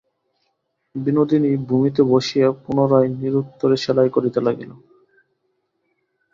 বিনোদিনী ভূমিতে বসিয়া পুনরায় নিরুত্তরে সেলাই করিতে লাগিল।